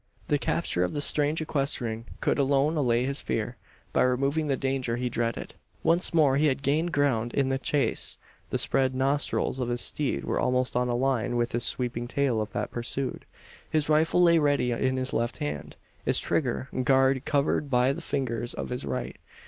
The capture of the strange equestrian could alone allay this fear by removing the danger he dreaded. Once more he had gained ground in the chase. The spread nostrils of his steed were almost on a line with the sweeping tail of that pursued. His rifle lay ready in his left hand, its trigger guard covered by the fingers of his right.